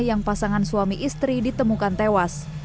yang pasangan suami istri ditemukan tewas